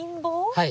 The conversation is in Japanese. はい。